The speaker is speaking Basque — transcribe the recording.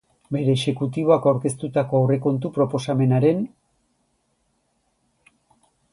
Bere exekutiboak aurkeztutako aurrekontu proposamenaren.